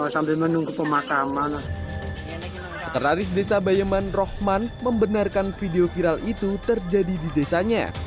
sekretaris desa bayeman rohman membenarkan video viral itu terjadi di desanya